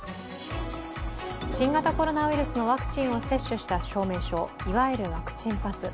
新型コロナウイルスのワクチンを接種した証明書、いわゆる、ワクチンパス。